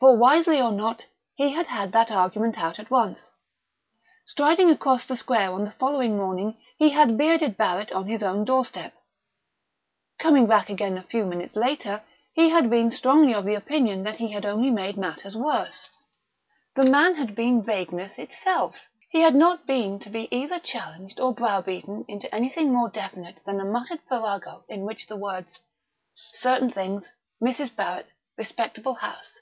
For, wisely or not, he had had that argument out at once. Striding across the square on the following morning, he had bearded Barrett on his own doorstep. Coming back again a few minutes later, he had been strongly of opinion that he had only made matters worse. The man had been vagueness itself. He had not been to be either challenged or browbeaten into anything more definite than a muttered farrago in which the words "Certain things ... Mrs. Barrett ... respectable house